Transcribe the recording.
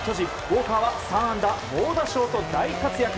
ウォーカーは３安打猛打賞と大活躍。